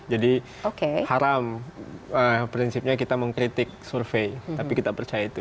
jadi haram prinsipnya kita mengkritik survei tapi kita percaya itu